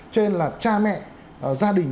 cho nên là cha mẹ gia đình